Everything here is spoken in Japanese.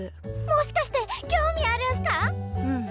もしかして興味あるんすか⁉うん。